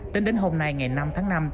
tính đến hôm nay ngày năm tháng năm